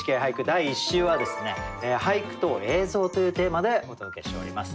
第１週は「俳句と映像」というテーマでお届けしております。